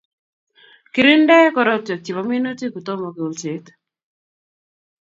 Kirinde korotwek Chebo minutik kutomo kolset